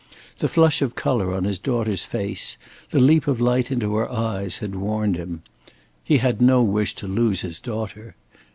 The flush of color on his daughter's face, the leap of light into her eyes, had warned him. He had no wish to lose his daughter.